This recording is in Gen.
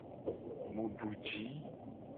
Mu du ji.